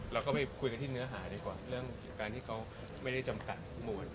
เราก็ไปคุยกันที่เนื้อหาดีกว่าเรื่องการที่เขาไม่ได้จำกัดหมวด